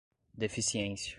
deficiência